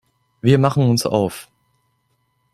Wir machen uns auf.